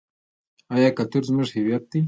آیا کلتور زموږ هویت دی؟